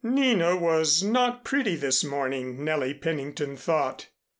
Nina was not pretty this morning, Nellie Pennington thought.